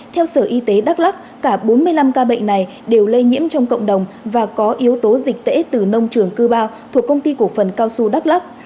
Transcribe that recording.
theo sở y tế đắk lắc cả bốn mươi năm ca bệnh này đều lây nhiễm trong cộng đồng và có yếu tố dịch tễ từ nông trường cư ba thuộc công ty cổ phần cao xu đắk lắc